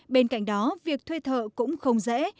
bên cạnh đó việc thuê thợ cũng không dễ